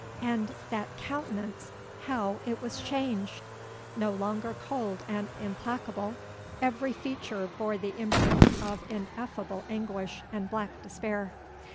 And that countenance—how was it changed! No longer cold and implacable, every feature bore the imprint of ineffable anguish and black despair.